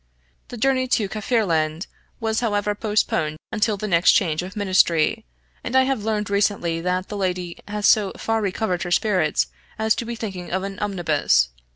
The journey to Kaffirland was however postponed until the next change of ministry, and I have learned recently that the lady has so far recovered her spirits as to be thinking of an 'Omnibus.'